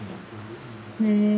へえ。